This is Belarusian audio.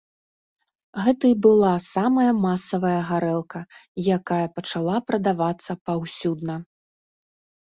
Гэта і была самая масавая гарэлка, якая пачала прадавацца паўсюдна.